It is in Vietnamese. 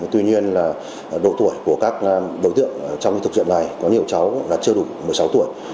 tuy nhiên là độ tuổi của các đối tượng trong thực hiện này có nhiều cháu chưa đủ một mươi sáu tuổi